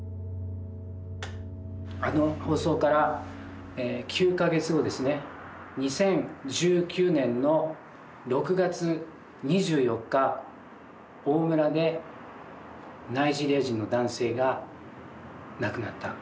あの放送から９か月後ですね２０１９年の６月２４日大村でナイジェリア人の男性が亡くなった。